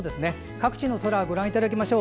各地の空、ご覧いただきましょう。